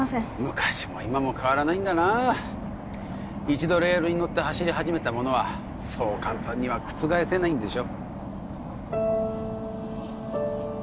昔も今も変わらないんだな一度レールに乗って走り始めたものはそう簡単には覆せないんでしょ